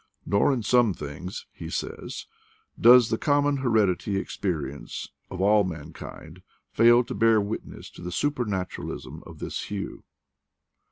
"Nor, in some things/ ' he says, "does the com mon hereditary experience of all mankind fail to bear witness to the supernaturalism of this hue."